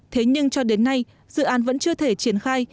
thế nhưng cho đến nay dự án vẫn chưa thể triển khai